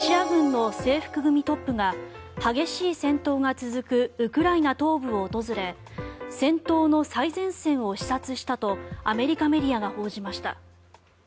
ロシア軍の制服組トップが激しい戦闘が続くウクライナ東部を訪れ戦闘の最前線を視察したとアメリカメディアが報じました。